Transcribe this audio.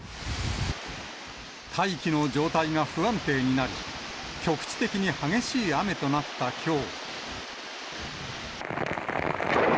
大気の状態が不安定になり、局地的に激しい雨となったきょう。